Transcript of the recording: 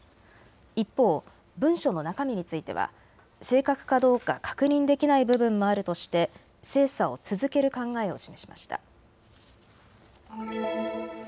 一方、文書の中身については正確かどうか確認できない部分もあるとして精査を続ける考えを示しました。